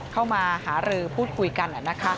เข้ามาหารือพูดคุยกัน